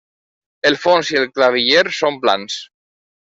El fons i el claviller són plans.